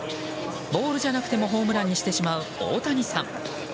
ボールじゃなくてもホームランにしてしまう大谷さん。